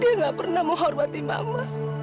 dia gak pernah menghormati mama